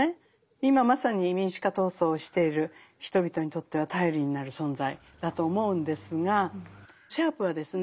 今まさに民主化闘争をしている人々にとっては頼りになる存在だと思うんですがシャープはですね